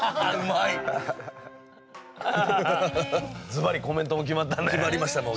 ずばりコメントも決まったね。